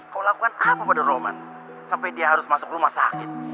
kau lakukan apa pada rohman sampai dia harus masuk rumah sakit